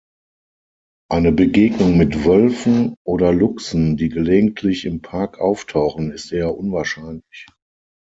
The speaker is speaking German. Eine Begegnung mit Wölfen oder Luchsen, die gelegentlich im Park auftauchen, ist eher unwahrscheinlich.